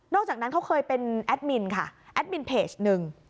อกจากนั้นเขาเคยเป็นแอดมินค่ะแอดมินเพจหนึ่ง